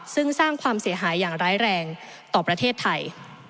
ซึ่งสร้างความเสียหายอย่างร้ายแรงต่อประเทศไทย